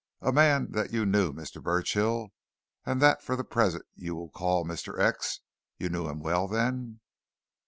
A man that you knew, Mr. Burchill, and that for the present you'll call Mr. X. You knew him well, then?"